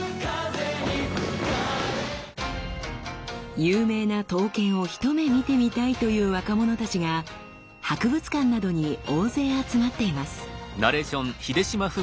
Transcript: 有名な刀剣を一目見てみたいという若者たちが博物館などに大勢集まっています。